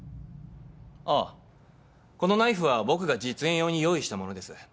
ああこのナイフは僕が実演用に用意したものです。